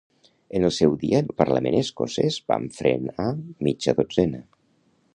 En el seu dia, en el parlament escocès vam frenar mitja dotzena.